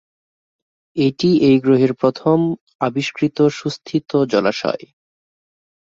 এটিই এই গ্রহের প্রথম আবিষ্কৃত সুস্থিত জলাশয়।